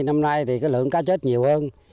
năm nay thì cái lượng cá chết nhiều hơn